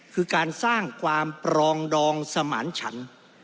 คือการสร้างความปรองดองสมานฉัน